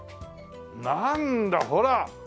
なんだほら！